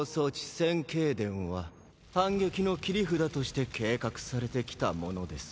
千景殿は反撃の切り札として計画されてきたものです。